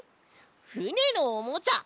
ふねのおもちゃ！